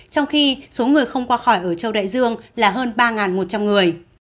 trong khi số người không qua khỏi ở châu đại dương là hơn ba một trăm linh người